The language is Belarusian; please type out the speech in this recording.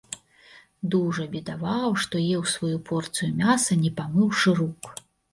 Дужа бедаваў, што еў сваю порцыю мяса не памыўшы рук.